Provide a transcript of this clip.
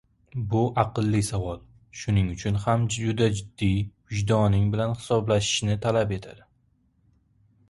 Bu aqlli savol, shuning uchun ham juda jiddiy, vijdoning bilan hisoblashishni talab etadi.